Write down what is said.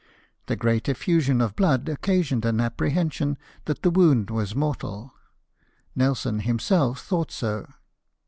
The great effusion of blood occasioned an apprehension that the wound was mortal ; Nelson himself thought so.